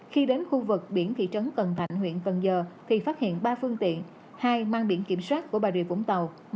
khi đến khu vực biển thị trấn cần thạnh huyện cần giờ thì phát hiện ba phương tiện hai mang biển kiểm soát của bà rịa vũng tàu